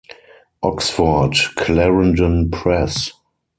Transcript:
Oxford, Clarendon Press.